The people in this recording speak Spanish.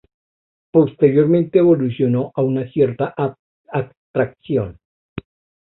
Posteriormente evolucionó a una cierta abstracción.